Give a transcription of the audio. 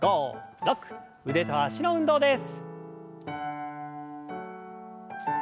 腕と脚の運動です。